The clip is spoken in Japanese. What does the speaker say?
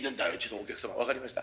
お客様わかりました。